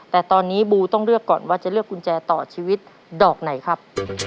แต่ตอนนี้บูต้องเลือกก่อนว่าจะเลือกกุญแจต่อชีวิตดอกไหนครับ